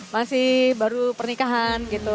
masih baru pernikahan gitu